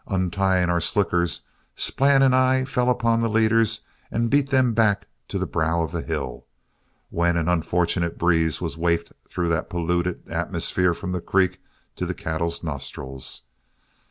Untying our slickers, Splann and I fell upon the leaders and beat them back to the brow of the hill, when an unfortunate breeze was wafted through that polluted atmosphere from the creek to the cattle's nostrils.